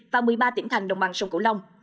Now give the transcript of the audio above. và một mươi ba tỉnh thành đồng bằng sông cửu long